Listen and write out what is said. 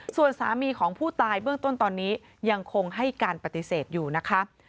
ส่วนสามีของผู้ตายเบื้องต้นตอนนี้ยังคงให้การปฏิเสธอยู่นะคะ